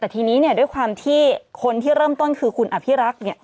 แต่ทีนี้เนี่ยด้วยความที่คนที่เริ่มต้นคือคุณอภิรักษ์เนี่ย